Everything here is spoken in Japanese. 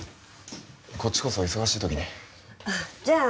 こっちこそ忙しいときにじゃあ